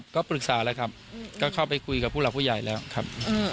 ก็ปรึกษาแล้วครับก็เข้าไปคุยกับผู้หลักผู้ใหญ่แล้วครับ